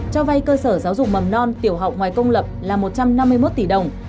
cho vay cơ sở giáo dục mầm non tiểu học ngoài công lập là một trăm năm mươi một tỷ đồng